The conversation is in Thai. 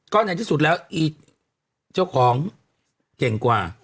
ก็ในที่สุดแล้วอีเจ้าของเก่งกว่า